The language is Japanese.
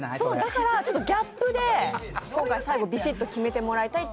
だからギャップで最後ビシッと決めてもらいたいと。